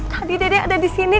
tadi dedek ada disini